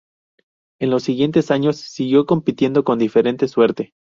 En los siguientes años siguió compitiendo con diferente suerte.